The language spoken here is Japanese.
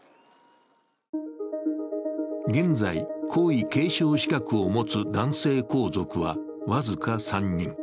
現在、皇位継承資格を持つ男性皇族は僅か３人。